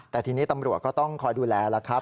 แต่ทีนี้ตำรวจก็ต้องคอยดูแลแล้วครับ